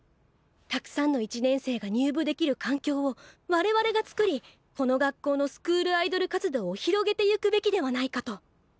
たくさんの１年生が入部できる環境を我々がつくりこの学校のスクールアイドル活動を広げてゆくべきではないかと。